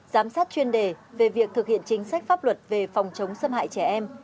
giám sát chuyên đề về việc thực hiện chính sách pháp luật về phòng chống xâm hại trẻ em